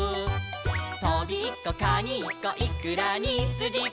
「トビッコカニッコイクラにスジコ」